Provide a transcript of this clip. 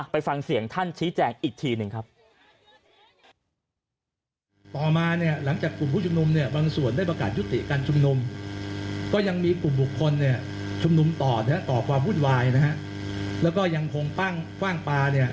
ไปฟังเสียงท่านชี้แจงอีกทีหนึ่งครับ